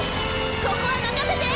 ここは任せて！